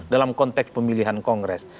dalam konteks pemilihan kongres